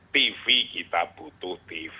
tv kita butuh tv